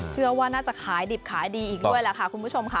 เชื่อว่าน่าจะขายดิบขายดีอีกด้วยล่ะค่ะคุณผู้ชมค่ะ